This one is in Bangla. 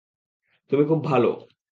তুমি খুব ভালো।